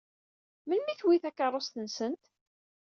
Melmi i tewwi takeṛṛust-nsent?